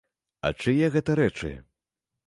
А чые гэта рэчы?